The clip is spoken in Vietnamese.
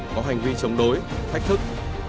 có hành vi chống đối thách thức